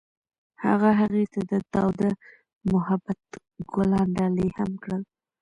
هغه هغې ته د تاوده محبت ګلان ډالۍ هم کړل.